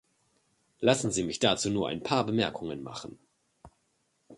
Lassen Sie mich dazu nur ein paar Bemerkungen machen.